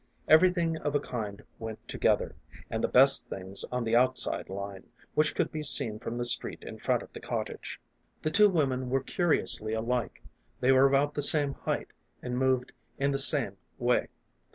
Everything of a kind went to gether, and the best things on the outside line, which could be seen from the street in front of the cottage. The two women were curiously alike. They were about the same height, and moved in the same way.